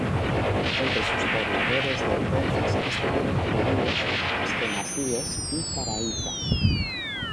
Entre sus pobladores de entonces estuvieron judíos asquenazíes y caraítas.